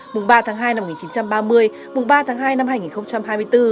mùng ba tháng hai năm một nghìn chín trăm ba mươi mùng ba tháng hai năm hai nghìn hai mươi bốn